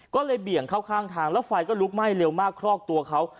ก็เลยเบี่ยงเข้าข้างทางแล้วไฟก็ลุกไหม้เร็วมากคลอกตัวเขา